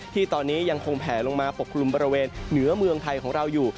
ที่ตอนนี้ยังคงแผลลงมาปกกลุ่มบริเวณเหนือเมืองไทยของเราอยู่